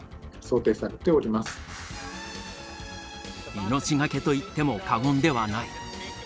命がけと言っても過言ではない。